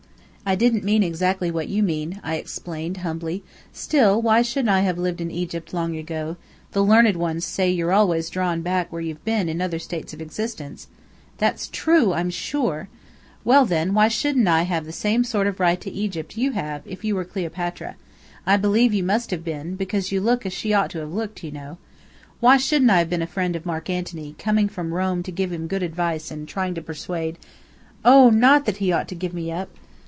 "I didn't mean exactly what you mean," I explained, humbly. "Still, why shouldn't I have lived in Egypt long ago? The learned ones say you're always drawn back where you've been in other states of existence " "That's true, I'm sure!" "Well, then, why shouldn't I have the same sort of right to Egypt you have, if you were Cleopatra? I believe you must have been, because you look as she ought to have looked, you know. Why shouldn't I have been a friend of Marc Antony, coming from Rome to give him good advice and trying to persuade " "Oh, not that he ought to give me up!"